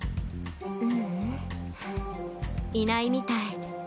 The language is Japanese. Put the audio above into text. ううんいないみたい。